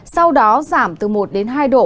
sau đó giảm từ một đến hai độ